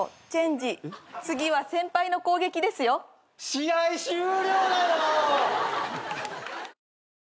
試合終了だよ！